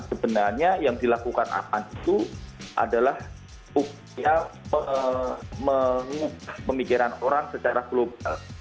sebenarnya yang dilakukan aman itu adalah upaya mengubah pemikiran orang secara global